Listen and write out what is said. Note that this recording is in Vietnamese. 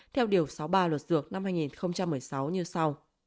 theo điều sáu mươi ba luật dược năm hai nghìn một mươi sáu như sau